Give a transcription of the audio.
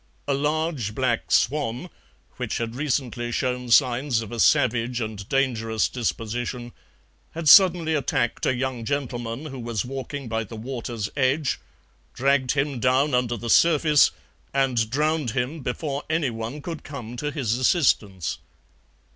A large black swan, which had recently shown signs of a savage and dangerous disposition, had suddenly attacked a young gentleman who was walking by the water's edge, dragged him down under the surface, and drowned him before anyone could come to his assistance.